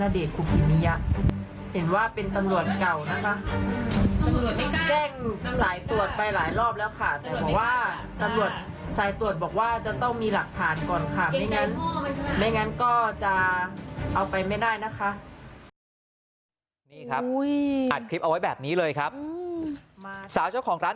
แต่บอกว่าสายตรวจบอกว่าจะต้องมีหลักฐานก่อนค่ะ